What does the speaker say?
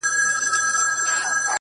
زه دغه ستا د يوازيتوب په معنا’